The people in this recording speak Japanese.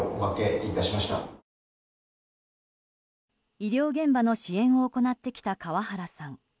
医療現場の支援を行ってきた川原さん。